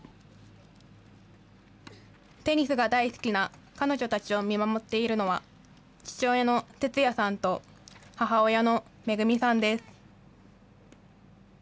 テニスが大好きな彼女たちを見守っているのは、父親の哲也さんと母親の恵さんです。